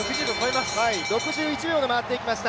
６１秒で回っていきました。